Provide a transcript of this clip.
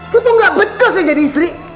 lo tuh gak becos ya jadi istri